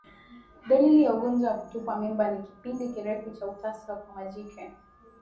Dalili ya ugonjwa wa kutupa mimba ni kipindi kirefu cha utasa kwa majike